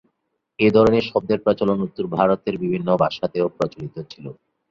এ ধরনের শব্দের প্রচলন উত্তর ভারতের বিভিন্ন ভাষাতেও প্রচলিত ছিলো।